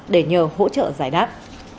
để nhờ hỗ trợ giải đáp